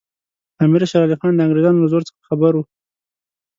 امیر شېر علي خان د انګریزانو له زور څخه خبر وو.